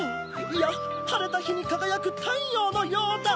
いやはれたひにかがやくたいようのようだ！